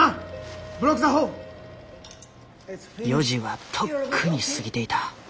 ４時はとっくに過ぎていた。